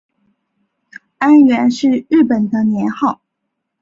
安元是日本的年号。